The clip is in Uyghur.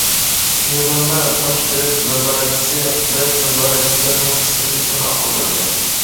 يىغىندا باش بېلەت نازارەتچىسى، بېلەت نازارەتچىلىرىنىڭ ئىسىملىكى ماقۇللاندى.